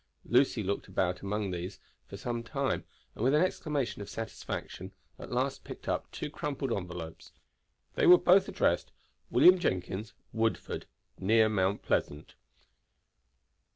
Lucy looked about among these for some time, and with an exclamation of satisfaction at last picked up two crumpled envelopes. They were both addressed "William Jenkins, Woodford, near Mount Pleasant."